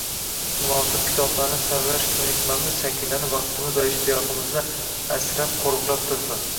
Munosib kitoblarni saralash koʻnikmamiz shakllanib, vaqtimiz va ishtiyoqimizni asrab-qoʻriqlab tursin